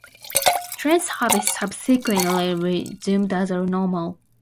Train services subsequently resumed as normal.